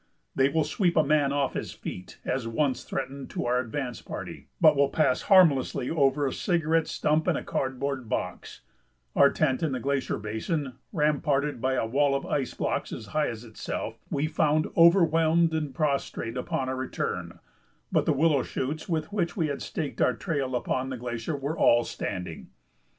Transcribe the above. They will sweep a man off his feet, as once threatened to our advance party, but will pass harmlessly over a cigarette stump and a cardboard box; our tent in the glacier basin, ramparted by a wall of ice blocks as high as itself, we found overwhelmed and prostrate upon our return, but the willow shoots with which we had staked our trail upon the glacier were all standing.